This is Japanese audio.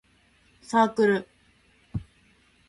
サークル